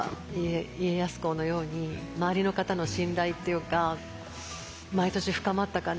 家康公のように周りの方の信頼っていうか毎年深まったかな。